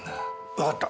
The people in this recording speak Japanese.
わかった！